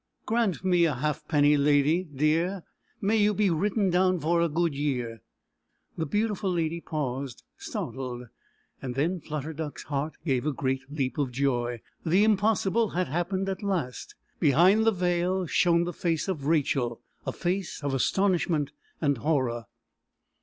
"Grant me a halfpenny, lady, dear! May you be written down for a good year!" The beautiful lady paused, startled. Then Flutter Duck's heart gave a great leap of joy. The impossible had happened at last. Behind the veil shone the face of Rachel a face of astonishment and horror.